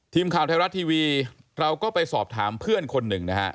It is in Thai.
ทีมข่าวไทยรัฐทีวีเราก็ไปสอบถามเพื่อนคนหนึ่งนะฮะ